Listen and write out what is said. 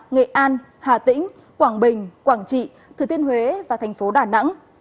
nghệ an hà tĩnh quảng bình quảng trị thừa thiên huế và thành phố đà nẵng